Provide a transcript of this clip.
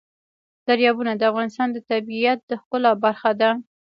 دریابونه د افغانستان د طبیعت د ښکلا برخه ده.